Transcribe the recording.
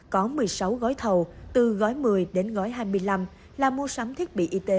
có một mươi sáu gói thầu từ gói một mươi đến gói hai mươi năm là mua sắm thiết bị y tế